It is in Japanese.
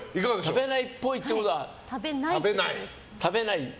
食べないっぽいってことは食べない。